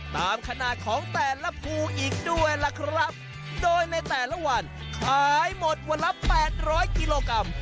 ตามขนาดของแต่ละภูอีกด้วยล่ะครับโดยในแต่ละวันขายหมดวันละแปดร้อยกิโลกรัม